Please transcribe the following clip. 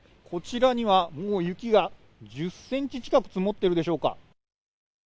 こちらには、雪が１０ｃｍ近く積もってるでしょうか。